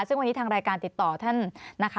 ซึ่งวันนี้ทางรายการติดต่อท่านนะคะ